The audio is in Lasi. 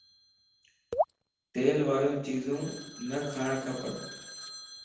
تيل واريون چيزون نه کاڻ کپ